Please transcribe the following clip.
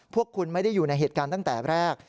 พวกคุณไม่ได้อยู่ในเหตุการณ์ตั้งแต่แรก